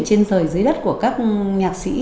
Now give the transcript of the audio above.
trên trời dưới đất của các nhạc sĩ